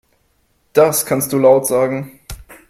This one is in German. Das kannst du laut sagen.